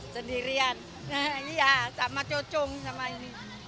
sendirian ya sama cocong sama ini